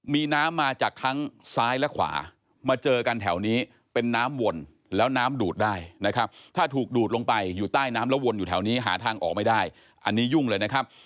มีน้ำมาจากทั้งซ้ายและขวามาเจอกันแถวนี้เป็นน้ำวนแล้วน้ำดูดได้นะครับถ้าถูกดูดลงไปอยู่ใต้น้ำแล้ววนอยู่แถวนี้หาทางออกไม่ได้อันนี้ยุ่งเลยนะครับ